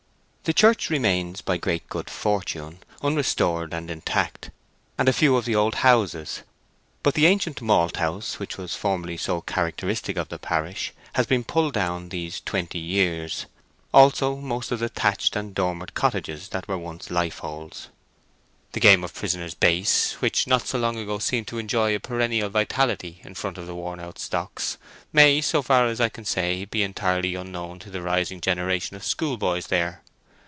The church remains, by great good fortune, unrestored and intact, and a few of the old houses; but the ancient malt house, which was formerly so characteristic of the parish, has been pulled down these twenty years; also most of the thatched and dormered cottages that were once lifeholds. The game of prisoner's base, which not so long ago seemed to enjoy a perennial vitality in front of the worn out stocks, may, so far as I can say, be entirely unknown to the rising generation of schoolboys there.